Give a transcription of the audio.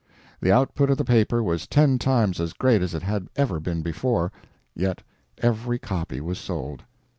The output of the paper was ten times as great as it had ever been before, yet every copy was sold.